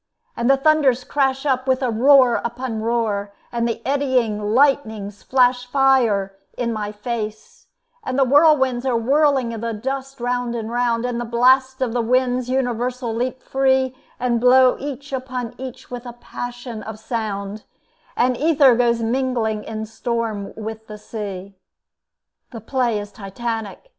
And the thunders crash up with a roar upon roar, And the eddying lightnings flash fire in my face, And the whirlwinds are whirling the dust round and round, And the blasts of the winds universal leap free And blow each upon each with a passion of sound, And aether goes mingling in storm with the sea." The play is Titanic.